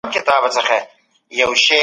ښه ذهنیت اندیښنه نه پیدا کوي.